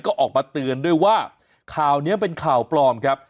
ก็ออกมาเตือนด้วยว่าข่าวนี้เป็นข่าวปลอมครับ